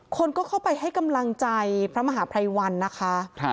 คนก็เข้าไปให้กำลังใจพระมหาภัยวันนะคะ